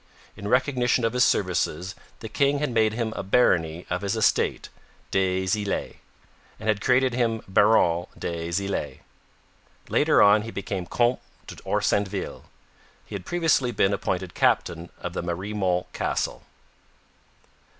In recognition of his services the king had made a barony of his estate, 'des Islets,' and had created him Baron des Islets. Later on he became Comte d'Orsainville. He had previously been appointed Captain of the Mariemont Castle.